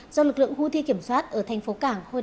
do lực lượng houthi kiểm soát ở thành phố cảng hodei